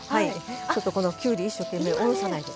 ちょっとこのきゅうり一生懸命おろさないと。